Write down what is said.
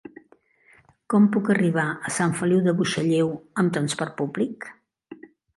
Com puc arribar a Sant Feliu de Buixalleu amb trasport públic?